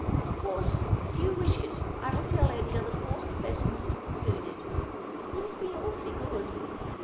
Of course if you wi h it I will tell Edgar the course of les^ons is concluded. He has been awfully good.